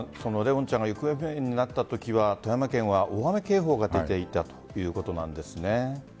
怜音ちゃんが行方不明になったときは富山県は大雨警報が出ていたということなんですよね。